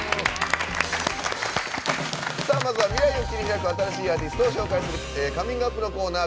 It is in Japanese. まずは、未来を切り開く新しいアーティストを紹介する「ＣｏｍｉｎｇＵｐ！」のコーナー。